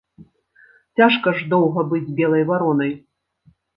Цяжка ж доўга быць белай варонай.